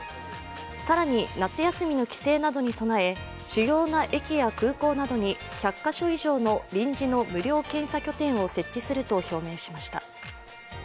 更に、夏休みの帰省などに備え、主要な駅や空港などに１００カ所以上の臨時の無料検査拠点を設置すると表明しました。